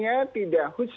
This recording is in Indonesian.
jadi ada juga